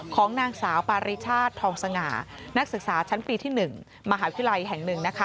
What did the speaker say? ของนางสาวปาริชาติทองสง่านักศึกษาชั้นปีที่๑มหาวิทยาลัยแห่ง๑